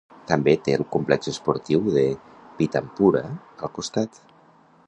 També té el complex esportiu de Pitampura al costat.